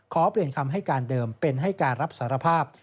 ขอเปลี่ยนคำให้การเดิมเป็นให้การรับสารภาพ